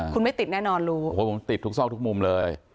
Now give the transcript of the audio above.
คุณไม่ติดแน่นอนรู้โอ้โหผมติดทุกซอกทุกมุมเลย